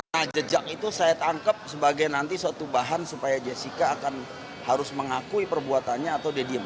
nah jejak itu saya tangkap sebagai nanti suatu bahan supaya jessica akan harus mengakui perbuatannya atau dia diem